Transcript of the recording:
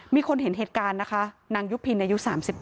มีคนเห็นเหตุการณ์นะคะนางยุพินอายุ๓๗